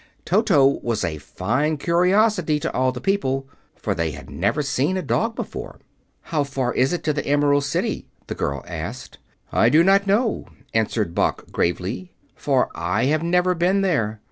Toto was a fine curiosity to all the people, for they had never seen a dog before. "How far is it to the Emerald City?" the girl asked. "I do not know," answered Boq gravely, "for I have never been there.